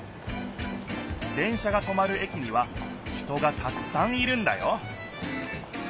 電車がとまる駅には人がたくさんいるんだよ